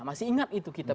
masih ingat itu kita